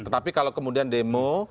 tetapi kalau kemudian demo